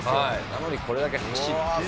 なのにこれだけ走って。